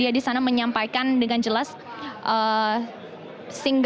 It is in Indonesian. dan di mana menyampaikan dengan jelas